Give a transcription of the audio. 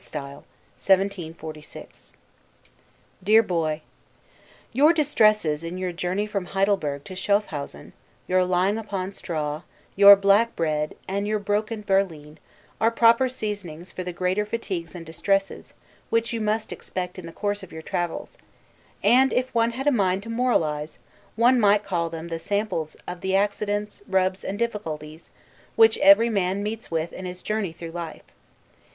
S. 1746 DEAR BOY: Your distresses in your journey from Heidelberg to Schaffhausen, your lying upon straw, your black bread, and your broken 'berline,' are proper seasonings for the greater fatigues and distresses which you must expect in the course of your travels; and, if one had a mind to moralize, one might call them the samples of the accidents, rubs, and difficulties, which every man meets with in his journey through life.